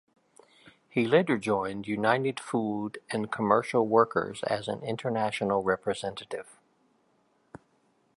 He later joined the United Food and Commercial Workers as an international representative.